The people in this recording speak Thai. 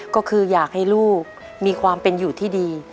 ก็คืออยากให้ลูกมีความเป็นอยู่ที่ดี